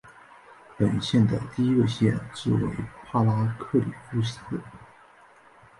本县的第一个县治为帕拉克利夫特。